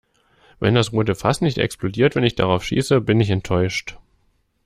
Wenn das rote Fass nicht explodiert, wenn ich darauf schieße, bin ich enttäuscht.